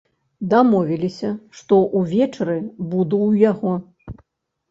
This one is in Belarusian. Дамовіліся, што ўвечары буду ў яго.